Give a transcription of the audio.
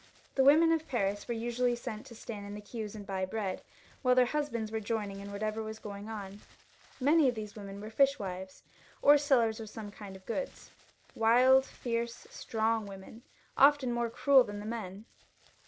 The women of Paris were usually sent to stand in the queues and buy bread, while their husbands were joining in whatever was going on. Many of these women were fishwives, or sellers of some kind of goods, wild, fierce, strong women, often more cruel than the men.